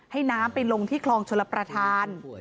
ให้น้ำไปลงที่คลองชลประธาน